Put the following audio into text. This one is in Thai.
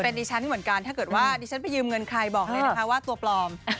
เป็นดิชันเหมือนกันถ้าดิชันไปยืมเงินใครบอกในว่าตัวปลอม